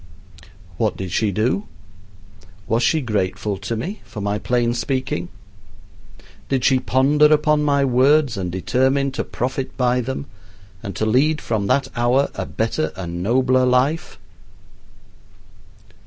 What did she do? Was she grateful to me for my plain speaking? Did she ponder upon my words and determine to profit by them and to lead from that hour a better and nobler life?